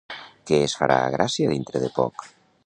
Què es farà a Gràcia dintre de poc?